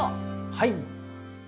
はい！